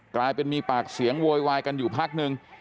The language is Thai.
กลายเป็นมีปากเสียงโวยวายกันอยู่พักนึง